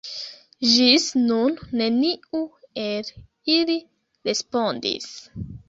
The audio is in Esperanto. Ĝis nun neniu el ili respondis.